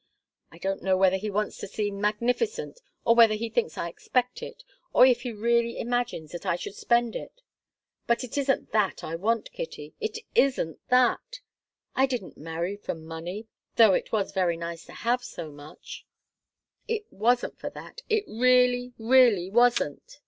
I don't know whether he wants to seem magnificent, or whether he thinks I expect it, or if he really imagines that I should spend it. But it isn't that I want, Kitty it isn't that! I didn't marry for money, though it was very nice to have so much it wasn't for that, it really, really wasn't!